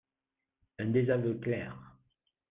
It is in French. Un désaveu clair